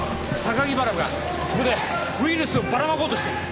原がここでウイルスをばらまこうとしてる。